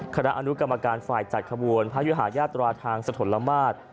คณะอนุกรรมการฝ่ายจัดขบวนพระยุหายาตราทางสถลมาตร